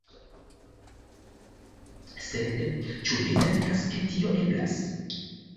Sed ĉu vi certas ke tio eblas?